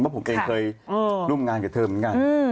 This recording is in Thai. เพราะผมเองเคยร่วมงานกับเธอเหมือนกัน